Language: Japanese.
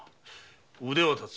腕はたつ。